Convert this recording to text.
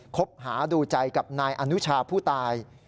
คบหาดูใจกับนายอนุชาผู้ตาย